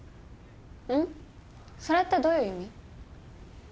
それってどういう意味？